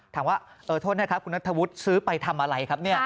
ถามว่าโทษนะครับคุณนัทธวุฒิซื้อไปทำอะไรครับเนี่ย